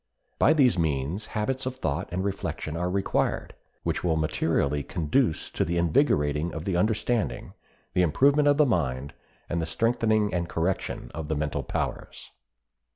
By these means habits of thought and reflection are required, which will materially conduce to the invigorating of the understanding, the improvement of the mind, and the strengthening and correction of the mental powers.